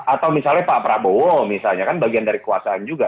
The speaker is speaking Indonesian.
atau misalnya pak prabowo misalnya kan bagian dari kekuasaan juga